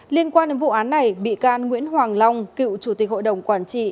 liên quan đến vụ án này bị can nguyễn hoàng long cựu chủ tịch hội đồng quản trị